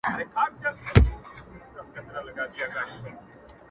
قاضي صاحبه ملامت نه یم بچي وږي وه.